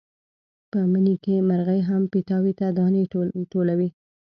په مني کې مرغۍ هم پیتاوي ته دانې ټولوي.